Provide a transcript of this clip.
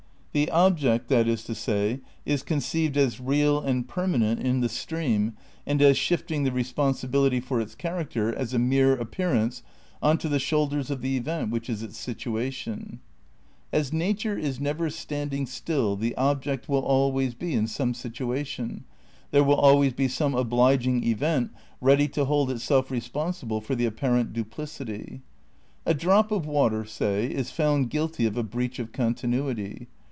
The object, that is to say, is con ^ Above : i, pp. 52 et seq. Ill THE CRITICAL PREPARATIONS 91 ceived as real and permanent in the stream and as sMfting the responsibility for its character as a mere appearance on to the shoulders of the event which is its situation. As nature is never standing still the ob ject will always be in some situation, there will always be some obliging event ready to hold itself responsible for the apparent duplicity. A drop of water, say, is found guilty of a breach of continuity.